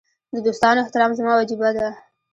د دوستانو احترام زما وجیبه ده.